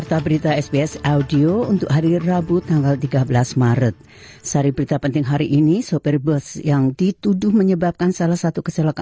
anda bersama sbs bahasa indonesia